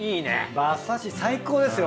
馬刺し最高ですよ